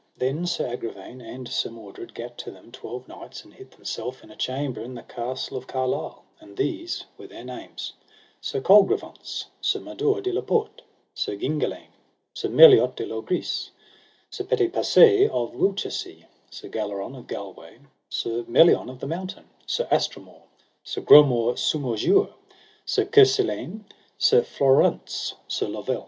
Then Sir Agravaine and Sir Mordred gat to them twelve knights, and hid themself in a chamber in the Castle of Carlisle, and these were their names: Sir Colgrevance, Sir Mador de la Porte, Sir Gingaline, Sir Meliot de Logris, Sir Petipase of Winchelsea, Sir Galleron of Galway, Sir Melion of the Mountain, Sir Astamore, Sir Gromore Somir Joure, Sir Curselaine, Sir Florence, Sir Lovel.